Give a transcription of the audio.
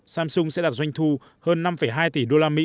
samsung sẽ đạt doanh thu hơn năm hai tỷ usd